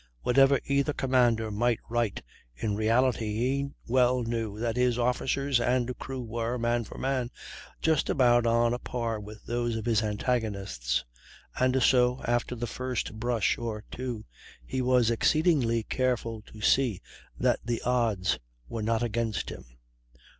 Whatever either commander might write, in reality he well knew that his officers and crews were, man for man, just about on a par with those of his antagonists, and so, after the first brush or two, he was exceedingly careful to see that the odds were not against him.